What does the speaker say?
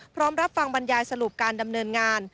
พร้อมรับฟังบรรยายสรุปการดำเนินงาน